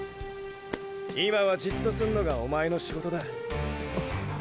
今はじっとすんのがおまえの仕事だ。っ！